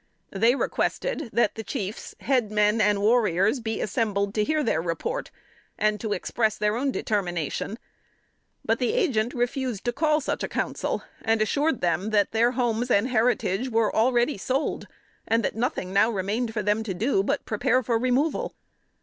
They requested that the chiefs, head men and warriors be assembled to hear their report, and to express their own determination. But the agent refused to call such council, and assured them that their homes and heritage were already sold, and that nothing now remained for them to do but to prepare for removal.